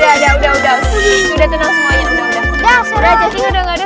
udah cacing udah gak ada